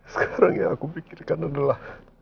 sekarang yang aku pikirkan adalah